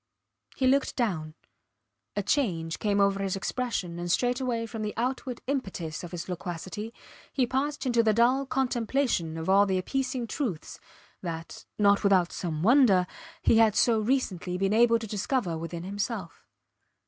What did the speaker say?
He looked down. A change came over his expression and straightway from the outward impetus of his loquacity he passed into the dull contemplation of all the appeasing truths that, not without some wonder, he had so recently been able to discover within himself.